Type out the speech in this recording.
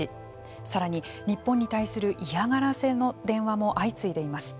さらに、日本に対する嫌がらせの電話も相次いでいます。